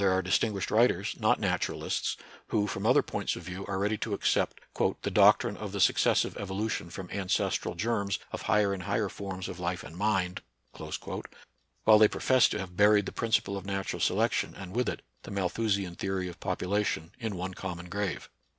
53 are distinguished writers, not naturalists, who, from other points of view are ready to accept " the doctrine of the successive evolution from ancestral germs of higher and higher forms of life and mind," * while they profess to have buried the principle of natural selection and with it the Malthusian theory of population in one common grave.